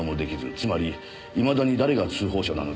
つまりいまだに誰が通報者なのかは不明です。